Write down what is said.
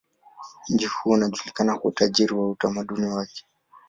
Mji huo unajulikana kwa utajiri wa utamaduni wake.